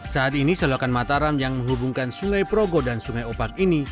saat ini selokan mataram yang menghubungkan sungai progo dan sungai opak ini